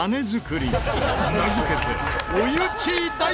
名付けて。